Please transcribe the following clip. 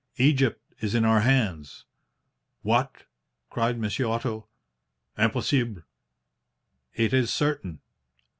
Egypt is in our hands.' "'What!' cried Monsieur Otto. 'Impossible!' "'It is certain.